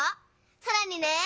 さらにね！